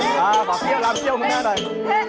ขอเกี่ยวรำเกี่ยวของหน้าหน่อย